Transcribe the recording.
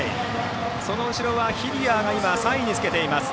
その後ろはヒリアーが３位につけています。